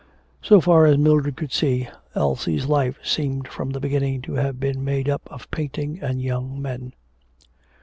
So far as Mildred could see, Elsie's life seemed from the beginning to have been made up of painting and young men.